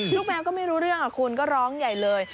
แมวก็ไม่รู้เรื่องคุณก็ร้องใหญ่เลย